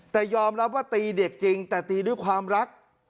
แต่ยอมรับว่าตีเด็กจริงแต่ตีด้วยความรัก